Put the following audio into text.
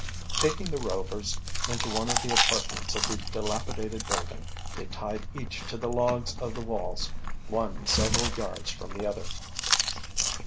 Taking the Rovers into one of the apartments of the dilapidated building they tied each to the logs of the walls, one several yards from the other.